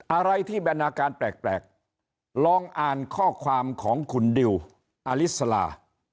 อะไรที่บรรณาการแปลกลองอ่านข้อความของคุณดิวอลิสลา